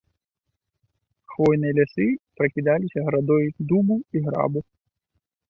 Хвойныя лясы пракідаліся градой дубу і грабу.